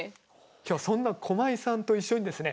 今日はそんな駒井さんと一緒にですね